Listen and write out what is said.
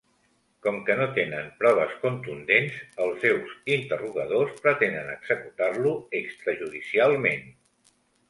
Com que no tenen proves contundents, els seus interrogadors pretenen executar-lo extrajudicialment.